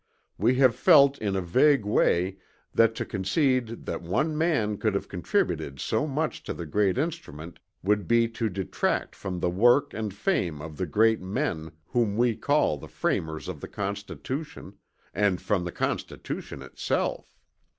We have felt in a vague way that to concede that one man could have contributed so much to the great instrument would be to detract from the work and fame of the great men whom we call the framers of the Constitution, and from the Constitution itself.